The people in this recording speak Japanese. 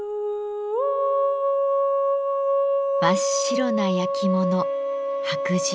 真っ白な焼き物「白磁」。